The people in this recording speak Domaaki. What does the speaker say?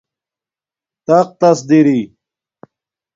تختس دری